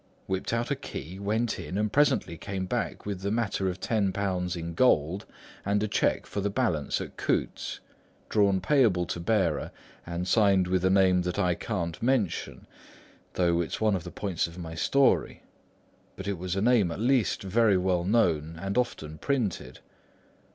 —whipped out a key, went in, and presently came back with the matter of ten pounds in gold and a cheque for the balance on Coutts's, drawn payable to bearer and signed with a name that I can't mention, though it's one of the points of my story, but it was a name at least very well known and often printed.